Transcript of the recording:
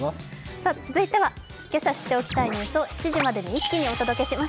続いてはけさ知っておきたいニュースを７時までに一気にお届けします。